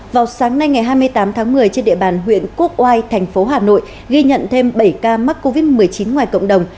vào sáng nay ngày hai mươi tám tháng một mươi trên địa bàn huyện quốc oai thành phố hà nội ghi nhận thêm bảy ca mắc covid một mươi chín ngoài cộng đồng